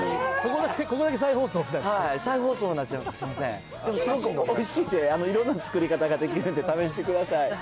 でもすごくおいしいんで、いろんな作り方できるんで、試してください。